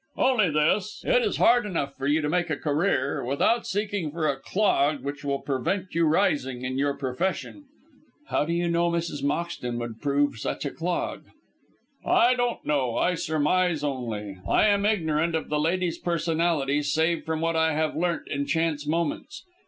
"Only this. It is hard enough for you to make a career without seeking for a clog which will prevent you rising in your profession." "How do you know Mrs. Moxton would prove such a clog?" "I don't know; I surmise only. I am ignorant of the lady's personality, save from what I have learnt in chance moments.